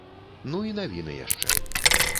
Ну і навіны яшчэ.